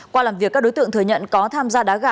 qua làm việc các đối tượng thừa nhận có tham gia đá gà